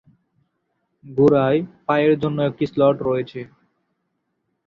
গোড়ায়, পায়ের জন্য একটি স্লট রয়েছে।